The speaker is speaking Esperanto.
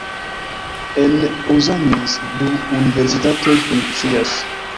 En Ozamiz du universitatoj funkcias.